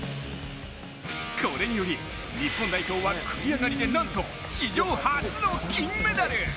これにより、日本代表は繰り上がりでなんと史上初の金メダル！